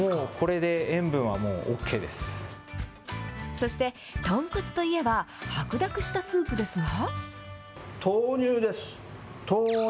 そして、豚骨といえば、白濁したスープですが。